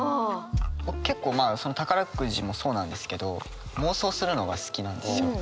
結構まあ宝くじもそうなんですけど妄想するのが好きなんですよ。